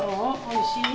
おいしい？